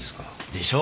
でしょ？